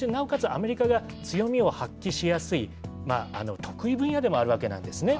アメリカが強みを発揮しやすい得意分野でもあるわけなんですね。